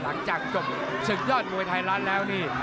หลังจากจบศึกยอดมวยไทยรัฐแล้วนี่